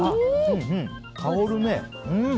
香るね。